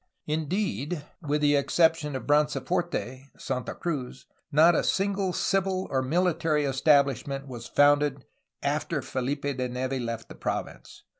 Indeed, with the exception of Branciforte (Santa Cruz), not a single civil or military estab lishment was founded after Felipe de Neve left the province.